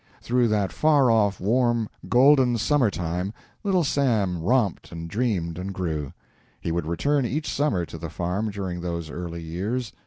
Through that far off, warm, golden summer time Little Sam romped and dreamed and grew. He would return each summer to the farm during those early years.